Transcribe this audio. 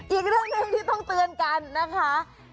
อีกเรื่องหนึ่งที่ต้องเตือนกันนะคะ